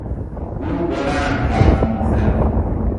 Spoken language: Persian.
او بلند حرف میزد.